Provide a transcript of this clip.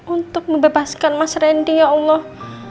untuk membebaskan mas randy ya allah